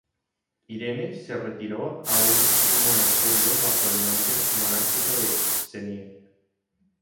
Irene se retiró a un monasterio bajo el nombre monástico de Xenia.